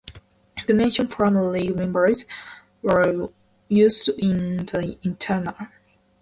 Donations from League members were used in the interior.